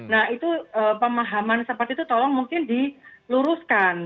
nah itu pemahaman seperti itu tolong mungkin diluruskan